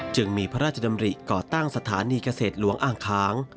จึงมีพระราชดำริก่อตั้งสถานีเกษตรหลวงอ่างค้าง